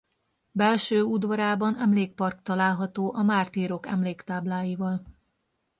Belső udvarában emlékpark található a mártírok emléktábláival.